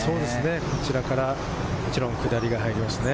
こちらから下りが入りますね。